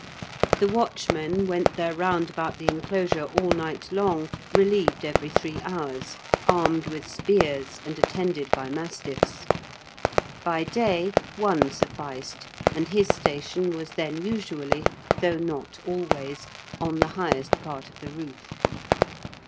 The watchmen went their round about the enclosure all night long, relieved every three hours, armed with spears, and attended by mastiffs. By day one sufficed, and his station was then usually (though not always) on the highest part of the roof.